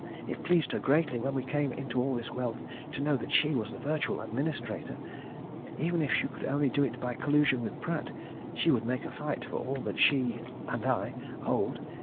"It pleased her greatly when we came into all this wealth to know that she was the virtual administrator. Even if she could only do it by collusion with Pratt, she would make a fight for all that she and I hold.